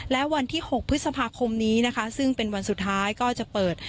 และวันที่๖พฤษภาคมนี้นะคะซึ่งเป็นวันสุดท้ายก็จะเปิด